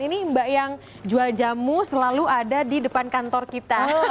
ini mbak yang jual jamu selalu ada di depan kantor kita